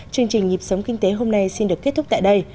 chương trình nhịp sống kinh tế hôm nay xin được kết thúc tại đây